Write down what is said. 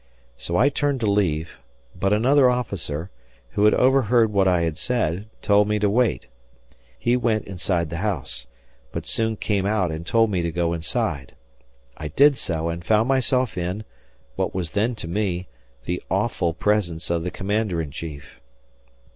So I turned to leave, but another officer, who had overheard what I had said, told me to wait. He went inside the house, but soon came out and told me to go inside. I did so and found myself in, what was then to me, the awful presence of the Commander in Chief.